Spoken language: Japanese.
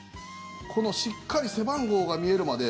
しっかり背番号が見えるまで